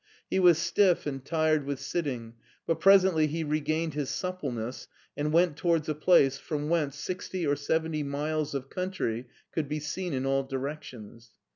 He was stiff and tired with sitting, but presently he regained his suppleness, and went towards a place from whence sixty or seventy miles of country could be seen in all directions.